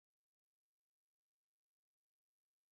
The majority shares were later owned by the Fijian government.